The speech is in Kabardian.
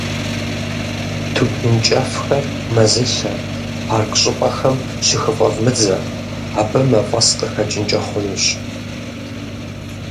Тутын кӀэфхэр мэзылъэ, парк щӀыпӀэхэм щыхыфӀэвмыдзэ, абы мафӏэс къыхэкӏынкӏэ хъунущ.